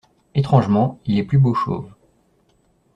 étrangement, il est plus beau chauve.